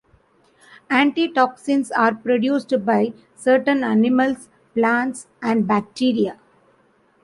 Antitoxins are produced by certain animals, plants, and bacteria.